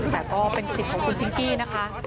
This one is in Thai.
แต่ก็เป็นสิทธิ์ของคุณพิงกี้นะคะ